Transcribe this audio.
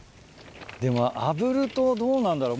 でもあぶるとどうなんだろう？